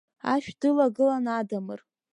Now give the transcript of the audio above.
Ашә дылагылан Адамыр!